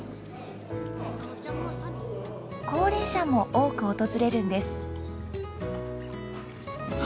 高齢者も多く訪れるんです。